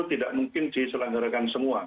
tidak mungkin diselenggarakan semua